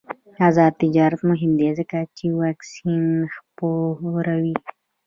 آزاد تجارت مهم دی ځکه چې واکسین خپروي.